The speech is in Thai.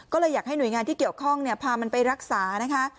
ก็เลยอยากให้หน่วยงานที่เกี่ยวข้องพามันไปรักษานะคะ